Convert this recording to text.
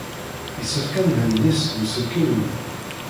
Yessefk ad nhenni seg uselkim-nni.